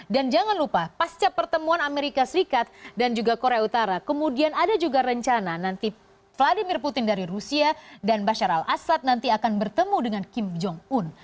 dan jangan lupa pasca pertemuan amerika serikat dan juga korea utara kemudian ada juga rencana nanti vladimir putin dari rusia dan bashar al assad nanti akan bertemu dengan kim jong un